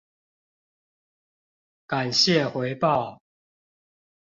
感謝回報